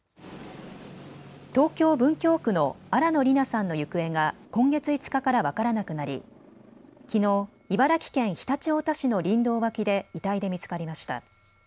東京文京区の新野りなさんの行方が今月５日から分からなくなり、きのう茨城県常陸太田市の林道脇で遺体で見つかりました。